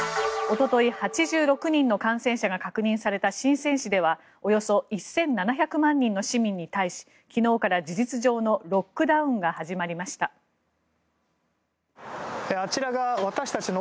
おととい、８６人の感染者が確認されたシンセン市ではおよそ１７００万人の市民に対し昨日から事実上のロックダウンが始まりました。